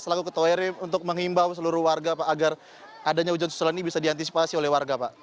atau ketawirin untuk mengimbau seluruh warga pak agar adanya hujan susulan ini bisa diantisipasi oleh warga pak